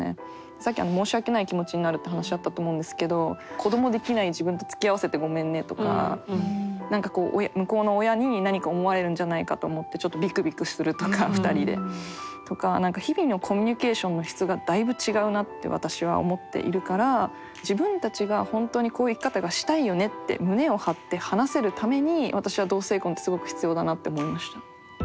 さっき申し訳ない気持ちになるって話あったと思うんですけど子供できない自分とつきあわせてごめんねとか何かこう向こうの親に何か思われるんじゃないかと思ってちょっとびくびくするとか２人で。とか何か日々のコミュニケーションの質がだいぶ違うなって私は思っているから自分たちが本当にこういう生き方がしたいよねって胸を張って話せるために私は同性婚ってすごく必要だなって思いました。